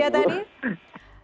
ya terima kasih bu